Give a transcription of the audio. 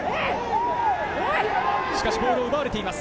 しかしボールを奪われています。